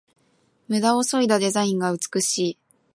ムダをそいだデザインが美しい